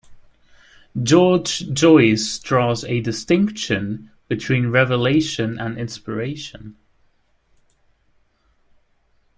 George Joyce draws a distinction between revelation and inspiration.